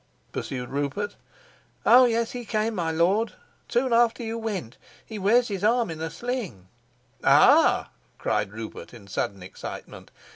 pursued Rupert. "Oh, yes; he came, my lord, soon after you went. He wears his arm in a sling." "Ah!" cried Rupert in sudden excitement.